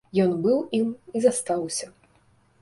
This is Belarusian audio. Ён быў ім і застаўся.